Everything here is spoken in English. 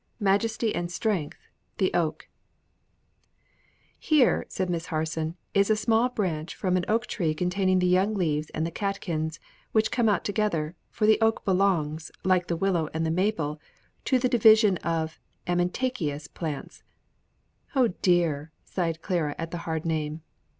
MAJESTY AND STRENGTH: THE OAK. "Here," said Miss Harson, "is a small branch from an oak tree containing the young leaves and the catkins, which come out together; for the oak belongs, like the willow and the maple, to the division of amentaceous plants." "Oh dear!" sighed Clara at the hard name.